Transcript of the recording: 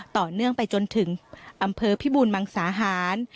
ต่อเนื่องไปจนถึงอำเภอพิบูรมังสาหาร